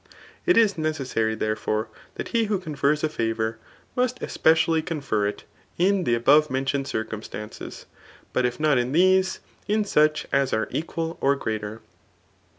It is necessary, therefore, that he who confers a favour must especially confer it in the above mentioned circumstances ; but if not in these, in such as are equal or greater.